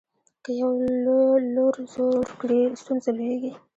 که یو لور زور کړي ستونزه لویېږي.